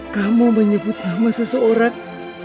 kamu menyebut nama seseorang